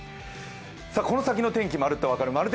この先の天気、まるっと分かるまる天